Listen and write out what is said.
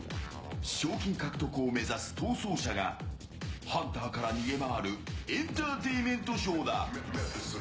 賞金獲得を目指す逃走者がハンターから逃げ回るエンターテインメントショーだ。